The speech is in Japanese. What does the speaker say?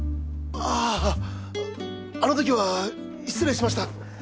あああの時は失礼しました。